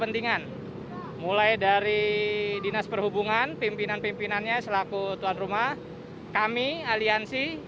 dinas perhubungan pimpinan pimpinannya selaku tuan rumah kami aliansi